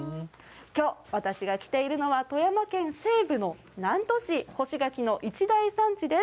きょう、私が来ているのは、富山県西部の南砺市、干し柿の一大産地です。